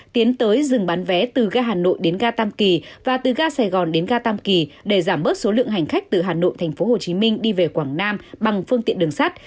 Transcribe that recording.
tiến tới dừng bán vé từ ga hà nội đến ga tam kỳ và từ ga sài gòn đến ga tam kỳ để giảm bớt số lượng hành khách từ hà nội tp hcm đi về quảng nam bằng phương tiện đường sắt